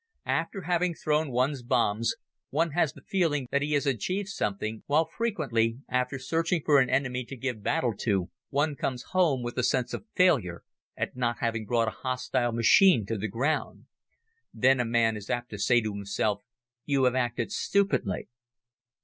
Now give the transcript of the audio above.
After having thrown one's bombs one has the feeling that he has achieved something, while frequently, after searching for an enemy to give battle to, one comes home with a sense of failure at not having brought a hostile machine to the ground. Then a man is apt to say to himself, "You have acted stupidly."